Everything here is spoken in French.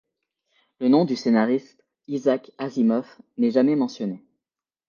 Le nom du scénariste, Isaac Asimov, n'est jamais mentionné.